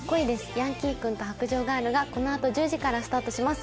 ヤンキー君と白杖ガール』がこの後１０時からスタートします。